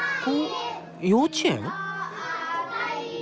幼稚園？